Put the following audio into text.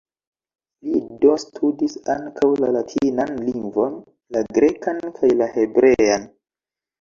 Li, do, studis ankaŭ la latinan lingvon, la grekan kaj la hebrean.